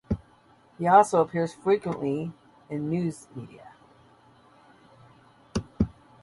He also appears frequently in the news media.